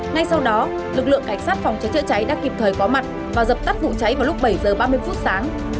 ngay sau đó lực lượng cảnh sát phòng cháy chữa cháy đã kịp thời có mặt và dập tắt vụ cháy vào lúc bảy giờ ba mươi phút sáng